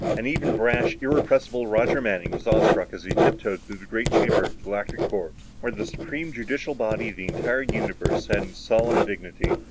And even brash, irrepressible Roger Manning was awestruck as they tiptoed into the great Chamber of the Galactic Court, where the supreme judicial body of the entire universe sat in solemn dignity.